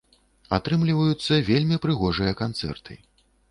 Атрымліваюцца вельмі прыгожыя канцэрты.